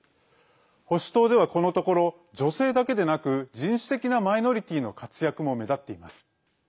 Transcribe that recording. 保守党では、このところ女性だけでなく人種的なマイノリティーの活躍も目立っています。